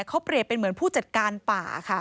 เขาเปรียบเป็นเหมือนผู้จัดการป่าค่ะ